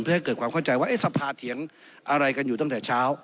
เพื่อให้เกิดความเข้าใจว่าสภาเถียงอะไรกันอยู่ตั้งแต่เช้า